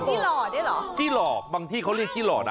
จิ๊ดหล่อได้เหรอจิ๊ดหล่อบางที่เขาเรียกจิ๊ดหล่อนะ